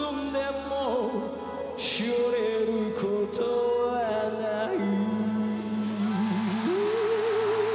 「もう萎れることはない」